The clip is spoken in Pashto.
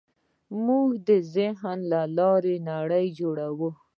موږ د ذهن له لارې نړۍ جوړوو.